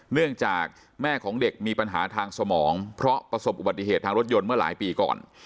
เนื่องจากแม่ของเด็กมีปัญหาทางสมองเพราะประสบอุบัติเหตุทางรถยนต์เมื่อหลายปีก่อน